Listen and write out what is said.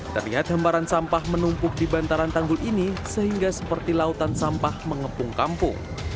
terlihat hemparan sampah menumpuk di bantaran tanggul ini sehingga seperti lautan sampah mengepung kampung